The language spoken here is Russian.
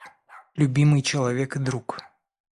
Любимый человек и друг!